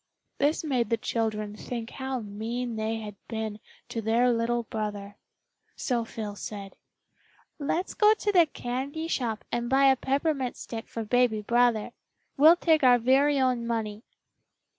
This made the children think how mean they had been to their little brother. So Phil said, "Let's go to the candy shop and buy a peppermint stick for baby brother. We'll take our very own money."